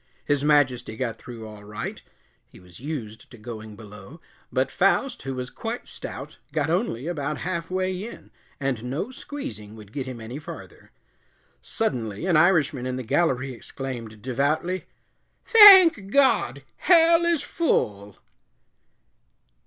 His Majesty got through all right he was used to going below but Faust, who was quite stout, got only about half way in, and no squeezing would get him any farther. Suddenly an Irishman in the gallery exclaimed, devoutly, "Thank God, hell is full."